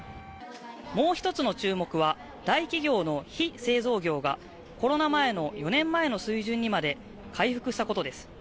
もう一つの注目は、大企業の非製造業がコロナ前の４年前の水準にまで回復したことです